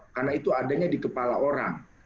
karena itu adanya di kepala orang